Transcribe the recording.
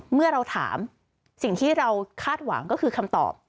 เมื่อเราถามสิ่งที่เราคาดหวังก็คือคำตอบ